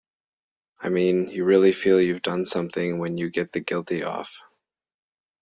I mean, you really feel you've done something when you get the guilty off.